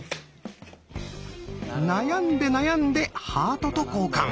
悩んで悩んでハートと交換。